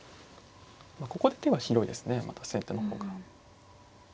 ここで手は広いですね先手の方が。